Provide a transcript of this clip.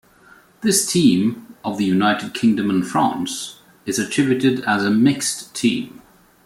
This team, of the United Kingdom and France, is attributed as a mixed team.